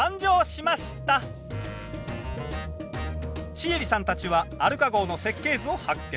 シエリさんたちはアルカ号の設計図を発見。